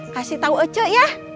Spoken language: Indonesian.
kasih tau e ce ya